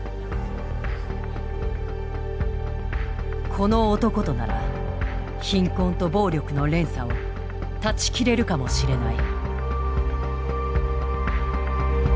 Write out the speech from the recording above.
この男となら貧困と暴力の連鎖を断ち切れるかもしれない。